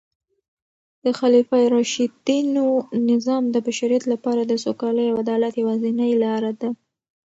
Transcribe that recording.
د خلفای راشدینو نظام د بشریت لپاره د سوکالۍ او عدالت یوازینۍ لاره ده.